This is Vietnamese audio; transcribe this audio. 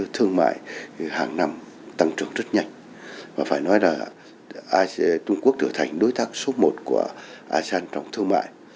thương mại hàng năm tăng trưởng rất nhanh và phải nói là trung quốc trở thành đối tác số một của asean trong thương mại